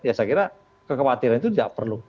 ya saya kira kekhawatiran itu tidak perlu